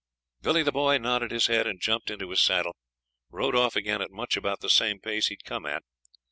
Billy the Boy nodded his head, and jumping into his saddle, rode off again at much about the same pace he'd come at.